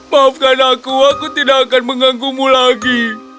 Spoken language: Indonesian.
maafkan aku aku tidak akan mengganggumu lagi